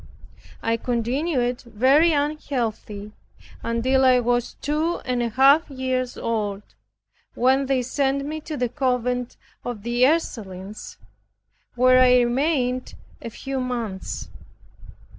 I continued very unhealthy until I was two and a half years old, when they sent me to the convent of the Ursulines, where I remained a few months.